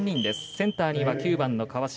センターには９番、川嶋。